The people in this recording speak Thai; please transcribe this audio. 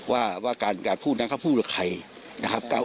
ว่าการพูดนั้นเขาพูดกับใครนะครับ